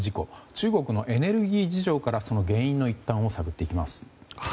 中国のエネルギー事情からその原因の一端を探っていきます。